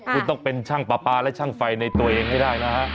คุณต้องเป็นช่างปลาปลาและช่างไฟในตัวเองให้ได้นะฮะ